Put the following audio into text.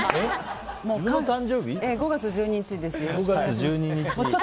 ５月１２日です。